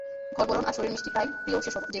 ঘরভরণ আর শশীর মিস্টি প্রিয় যে সবার।